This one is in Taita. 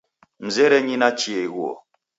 Mzerenyi nachie ighuo.